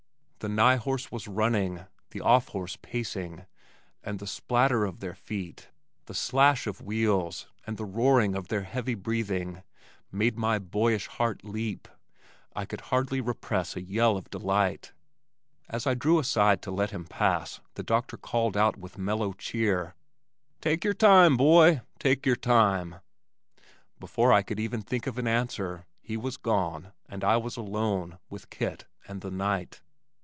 The nigh horse was running, the off horse pacing, and the splatter of their feet, the slash of the wheels and the roaring of their heavy breathing, made my boyish heart leap. I could hardly repress a yell of delight. As I drew aside to let him pass the doctor called out with mellow cheer, "Take your time, boy, take your time!" Before I could even think of an answer, he was gone and I was alone with Kit and the night.